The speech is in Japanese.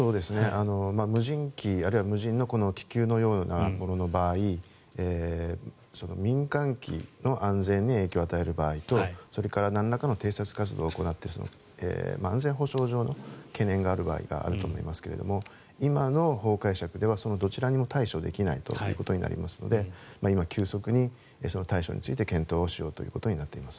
無人機あるいは無人の気球のようなものの場合民間機の安全に影響を与える場合とそれからなんらかの偵察活動を行っている場合安全保障上の懸念がある場合があると思いますが今の法解釈ではそのどちらにも対処できないということになりますので今、急速にその対処について検討をしようということになっています。